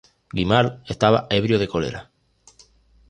Guimard estaba ebrio de cólera.